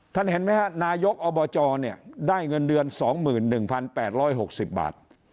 ท่านเห็นมานายกอบตเนี่ยได้เงินเดือน๒๑๘๖๐บาท